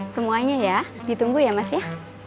semuanya ya ditunggu ya mas ya